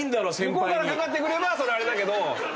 向こうからかかってくればそれあれだけど。